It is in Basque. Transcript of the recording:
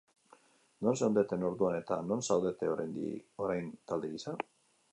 Non zeundeten orduan eta non zaudete orain talde gisa?